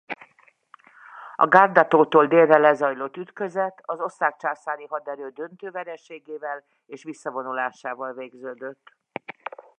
A Garda-tótól délre lezajlott ütközet az osztrák császári haderő döntő vereségével és visszavonulásával végződött.